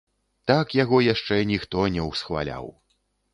Так яго яшчэ ніхто не усхваляў.